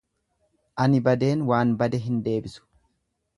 Ani badeen waan bade hin deebisu.